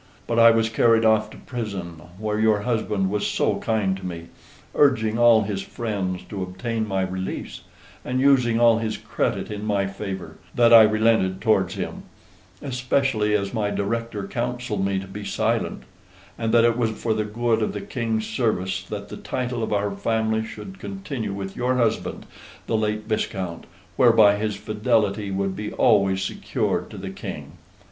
But I was carried off to prison, where your husband was so kind to me urging all his friends to obtain my release, and using all his credit in my favor that I relented towards him, especially as my director counselled me to be silent; and that it was for the good of the King's service that the title of our family should continue with your husband the late viscount, whereby his fidelity would be always secured to the King.